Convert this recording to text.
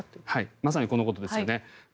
まさにこのことですよね。